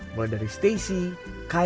mulai dari stacy kylie flea flo dan kali